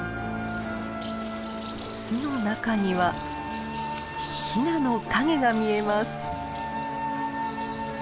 巣の中にはヒナの影が見えます。